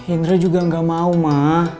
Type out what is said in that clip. indra juga gak mau mah